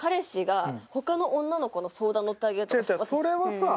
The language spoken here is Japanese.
それはさ